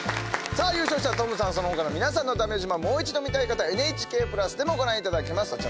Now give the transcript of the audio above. さあ優勝したトムさんそのほかの皆さんのだめ自慢もう一度見たい方ＮＨＫ＋でもご覧いただけます。